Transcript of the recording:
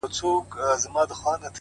پوه انسان له تعصب لرې وي؛